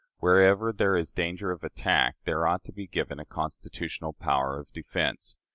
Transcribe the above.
Wherever there is danger of attack, there ought to be given a constitutional power of defense.